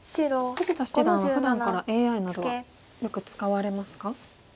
富士田七段はふだんからＡＩなどはよく使われますか？